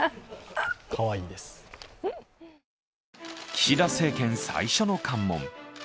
岸田政権最初の関門。